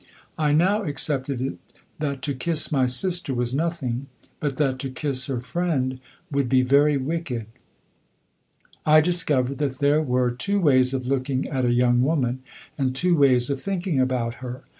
I now accepted it that to kiss my sister was nothing, but that to kiss her friend would be very wicked. I discovered that there were two ways of looking at a young woman, and two ways of thinking about her.